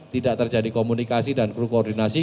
tidak terjadi komunikasi dan kru koordinasi